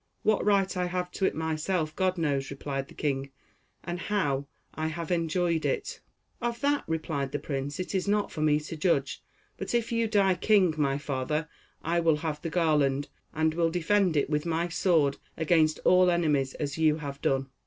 "What right I have to it myself, God knows," replied the king, "and how I have enjoyed it." "Of that," replied the prince, "it is not for me to judge; but if you die king, my father, I will have the garland, and will defend it with my sword against all enemies as you have done."